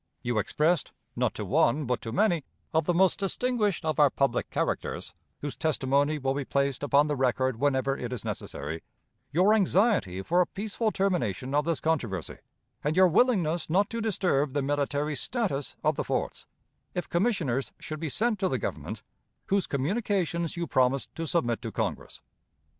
You expressed, not to one, but to many, of the most distinguished of our public characters, whose testimony will be placed upon the record whenever it is necessary, your anxiety for a peaceful termination of this controversy, and your willingness not to disturb the military status of the forts, if commissioners should be sent to the Government, whose communications you promised to submit to Congress.